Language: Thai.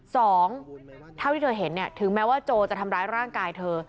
สองเท่าที่เธอเห็นเนี่ยถึงแม้ว่าโจจะทำร้ายร่างกายเธอ